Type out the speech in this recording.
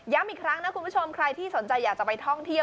อีกครั้งนะคุณผู้ชมใครที่สนใจอยากจะไปท่องเที่ยว